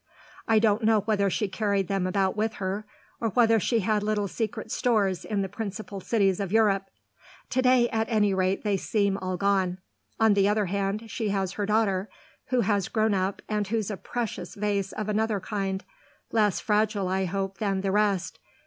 I don't know whether she carried them about with her or whether she had little secret stores in the principal cities of Europe. To day at any rate they seem all gone. On the other hand she has her daughter, who has grown up and who's a precious vase of another kind less fragile I hope than the rest.